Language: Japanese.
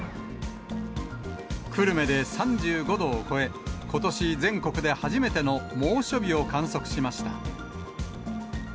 久留米で３５度を超え、ことし全国で初めての猛暑日を観測しました。